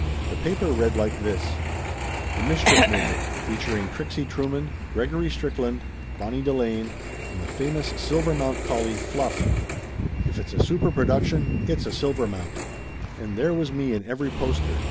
The paper read like this : THE MISCHIEF MAKER FEATURING TRIXIE TRUEMAN, GREGORY STRICKLAND BONNIE DELANE AND THE FAMOUS SILVERMOUNT COLLIH FLUFF IF IT'S A SUPER PRODUCTION, IT*S A SILVERMOUNT And there was me in every poster.